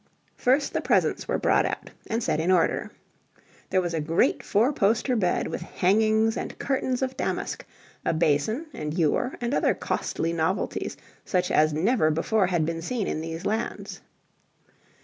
First the presents were brought out and set in order. There was a great four poster bed with hangings and curtains of damask, a basin and ewer and other costly novelties such as never before had been seen in these lands.